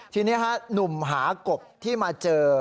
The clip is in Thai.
ทีนี้หนุ่มหากบที่มาเจอ